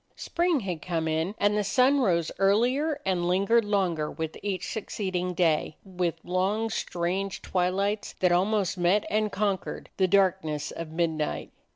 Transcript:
Spring had come in and the sun rose ear lier and lingered longer with each succeeding day, with long, strange twilights that almost met and conquered the darkness of midnight.